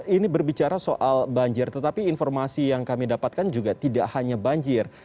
ini berbicara soal banjir tetapi informasi yang kami dapatkan juga tidak hanya banjir